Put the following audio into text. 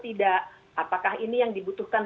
tidak apakah ini yang dibutuhkan